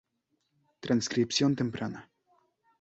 Transcripción temprana.